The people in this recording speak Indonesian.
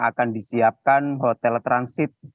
akan disiapkan hotel transit